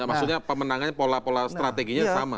maksudnya pemenangannya pola pola strateginya sama